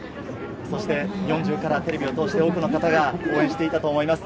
日本中からテレビを通して多くの方が応援していたと思います。